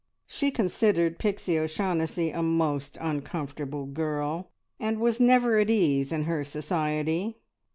She considered Pixie O'Shaughnessy a most uncomfortable girl, and was never at ease in her society.